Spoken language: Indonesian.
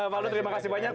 pak lut terima kasih banyak